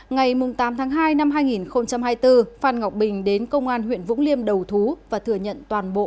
ngày tám tháng hai năm hai nghìn hai mươi bốn phan ngọc bình đến công an huyện vũng liêm đầu thú và thừa nhận toàn bộ